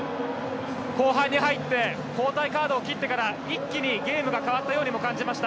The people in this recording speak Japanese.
後半に入って交代カードを切ってから一気にゲームが変わったように感じました。